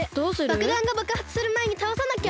ばくだんがばくはつするまえにたおさなきゃ！